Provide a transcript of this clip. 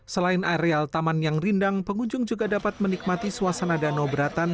selain areal taman yang rindang pengunjung juga dapat menikmati suasana danau beratan